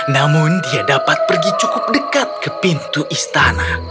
namun dia dapat pergi cukup dekat ke pintu istana